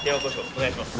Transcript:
お願いします